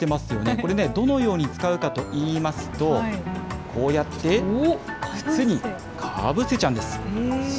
これね、どのように使うかといいますと、こうやって、靴にかぶせちゃうんです。